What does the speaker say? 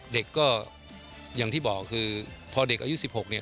เด็กก็อย่างที่บอกคือพอเด็กอายุ๑๖เนี่ย